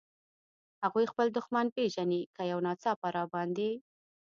هغوی خپل دښمن پېژني، که یو ناڅاپه را باندې.